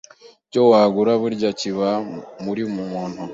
icyo wagura burya kiba muri buri muntu.